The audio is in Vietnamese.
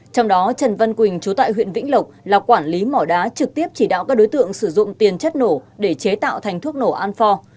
trong đó trần văn quỳnh chú tại huyện vĩnh lộc là quản lý mỏ đá trực tiếp chỉ đạo các đối tượng sử dụng tiền chất nổ để chế tạo thành thuốc nổ anfor